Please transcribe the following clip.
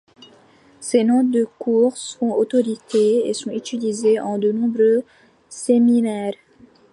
Ses notes de cours font autorité et sont utilisées en de nombreux séminaires.